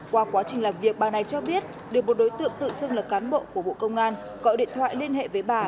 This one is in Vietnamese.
qua quá trình làm việc bà này cho biết được một đối tượng tự xưng là cán bộ của bộ công an gọi điện thoại liên hệ với bà